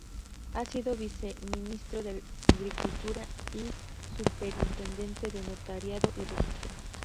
Ha sido Viceministro de Agricultura y Superintendente de Notariado y Registro.